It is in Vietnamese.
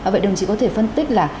vậy đồng chí có thể phân tích là